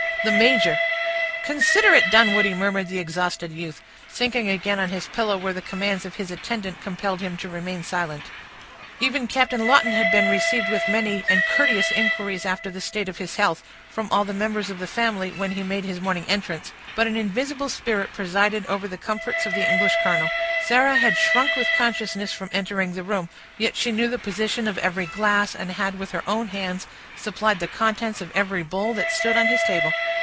"The major." "Considerate Dunwoodie!" murmured the exhausted youth, sinking again on his pillow, where the commands of his attendant compelled him to remain silent. Even Captain Lawton had been received with many and courteous inquiries after the state of his health, from all the members of the family, when he made his morning entrance; but an invisible spirit presided over the comforts of the English colonel. Sarah had shrunk with consciousness from entering the room; yet she knew the position of every glass, and had, with her own hands, supplied the contents of every bowl, that stood on his table.